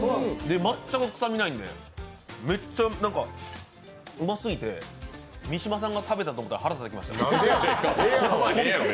全く臭みないんでめっちゃ、なんか、うますぎて三島さんが食べたと思ったら腹立ってきました。